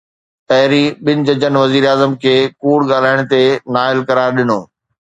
پهرين ٻن ججن وزيراعظم کي ڪوڙ ڳالهائڻ تي نااهل قرار ڏنو.